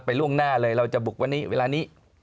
ล่วงหน้าเลยเราจะบุกวันนี้เวลานี้